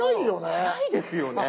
早いですよね。